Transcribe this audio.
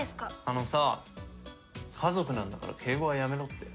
あのさあ家族なんだから敬語はやめろって。